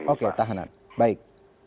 oke tahanan baik